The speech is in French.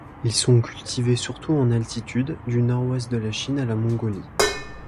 Ils sont cultivés surtout en altitude, du nord-ouest de la Chine à la Mongolie.